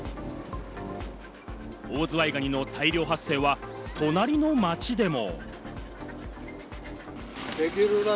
オオズワイガニの大量発生は、隣の町でも。